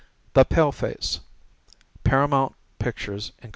THE PALEFACE. Paramount Pictures Inc.